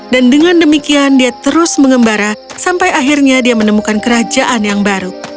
dan dengan demikian dia terus mengembara sampai akhirnya dia menemukan kerajaan yang baru